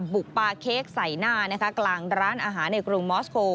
ปลาเค้กใส่หน้านะคะกลางร้านอาหารในกรุงมอสโค